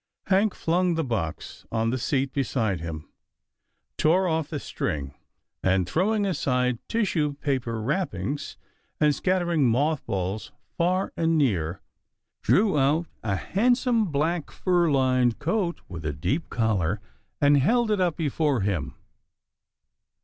Hank flung the box on the seat beside him, tore HANK BREAKS IMPORTANT NEWS 319 off the string, and, throwing aside tissue paper wrappings, and scattering moth balls far and near, drew out a handsome black, fur lined coat, with a deep collar, and held it up before him.